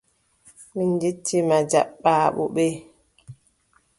Min njetti ma jaɓɓaago ɓe.